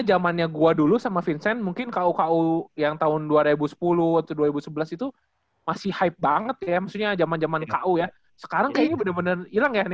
jaman nya gua dulu sama vincent mungkin ku ku yang tahun dua ribu sepuluh atau dua ribu sebelas itu masih hype banget ya maksudnya jaman jaman ku ya sekarang kayaknya bener bener ilang ya ini ya